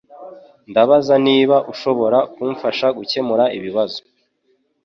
Ndabaza niba ushobora kumfasha gukemura ikibazo.